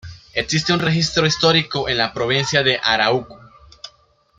Existe un registro histórico en la provincia de Arauco.